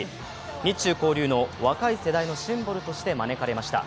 日中交流の若い世代のシンボルとして招かれました。